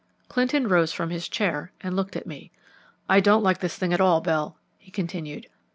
Clinton rose from his chair and looked at me. "I don't like this thing at all, Bell," he continued.